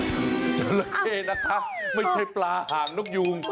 จราเข้นะคะไม่ใช่ปลาห่างนกยูง